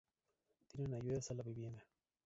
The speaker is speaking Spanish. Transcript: Tienen ayudas a la vivienda.